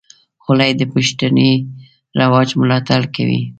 خولۍ د پښتني رواج ملاتړ کوي.